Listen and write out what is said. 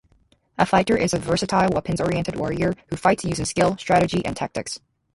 A fighter is a versatile, weapons-oriented warrior who fights using skill, strategy and tactics.